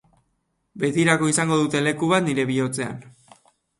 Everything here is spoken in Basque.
Betirako izango dute leku bat nire bihotzean.